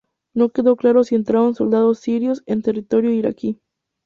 No quedó claro si entraron soldados sirios en territorio iraquí.